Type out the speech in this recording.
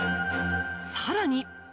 さらに。